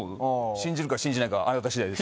信じるか信じないかはあなた次第です